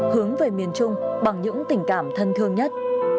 hướng về miền trung bằng những tình cảm thân thương nhất